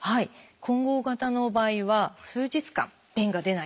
混合型の場合は数日間便が出ない。